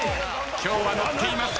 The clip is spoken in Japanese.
今日は乗っています風間俊介。